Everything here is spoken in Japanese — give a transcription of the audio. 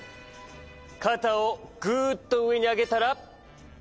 かたをグッとうえにあげたらパッとおろす。